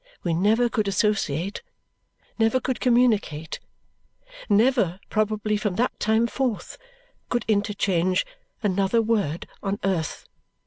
We never could associate, never could communicate, never probably from that time forth could interchange another word on earth.